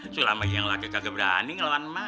sulam lagi yang lage kagak berani ngelawan emak